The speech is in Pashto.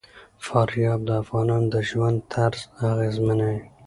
فاریاب د افغانانو د ژوند طرز اغېزمنوي.